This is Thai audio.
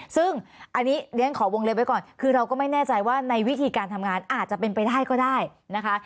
ซึ่งอันนี้เรียนขอวงเล็บไว้ก่อนคือเราก็ไม่แน่ใจว่าในวิธีการทำงานอาจจะเป็นไปได้ก็ได้นะคะ